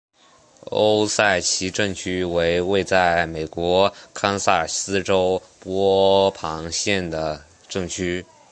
欧塞奇镇区为位在美国堪萨斯州波旁县的镇区。